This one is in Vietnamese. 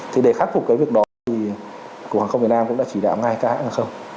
thì để khắc phục cái việc đó thì cục hàng không việt nam cũng đã chỉ đạo ngay cả hàng không